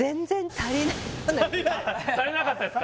足りなかったですか？